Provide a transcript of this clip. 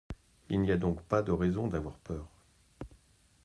Il n’y a donc pas de raison d’avoir peur.